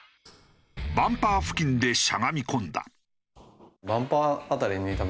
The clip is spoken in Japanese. バンパー付近でしゃがみ込んだ。